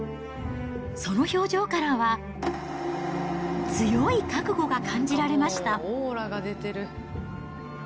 その表情からは、強い覚悟が感じられました。